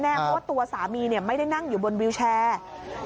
เพราะว่าตัวสามีไม่ได้นั่งอยู่บนวิวแชร์